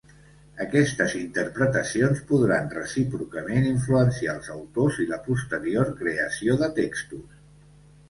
Aquestes interpretacions podran, recíprocament, influenciar els autors i la posterior creació de textos.